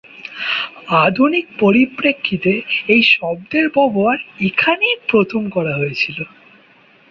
আধুনিক পরিপ্রেক্ষিতে এই শব্দের ব্যবহার এখানেই প্রথম করা হয়েছিল।